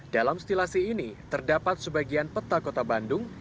dalam stilasi ini terdapat sebagian peta kota bandung